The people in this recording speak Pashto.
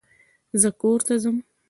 زه کورته ځم.